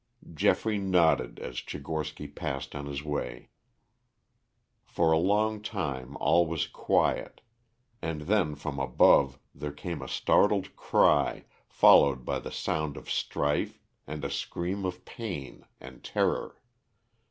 Geoffrey nodded as Tchigorsky passed on his way. For a long time all was quiet, and then from above there came a startled cry followed by the sound of strife and a scream of pain and terror.